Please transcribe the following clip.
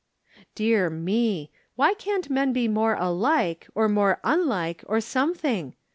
Dear me ! Why can't men be more alike, or more unlike, or something